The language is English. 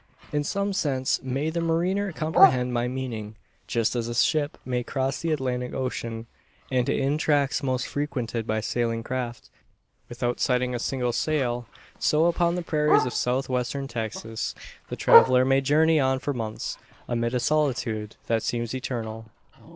In some sense may the mariner comprehend my meaning. Just as a ship may cross the Atlantic Ocean and in tracks most frequented by sailing craft without sighting a single sail, so upon the prairies of South western Texas, the traveller may journey on for months, amid a solitude that seems eternal!